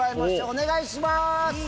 お願いします。